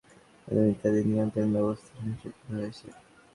আয়কর জমা করা এবং পাসপোর্টের আবেদন ইত্যাদি নিয়ন্ত্রণব্যবস্থা সংস্কার করা হয়েছে।